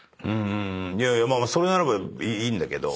いやいやそれならばいいんだけど。